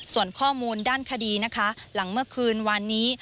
ส่วนข้อมูลด้านคดีนะคะหลังเมื่อคืนวานนี้